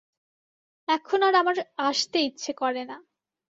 এখন আর আমার আসতে ইচ্ছে করে না।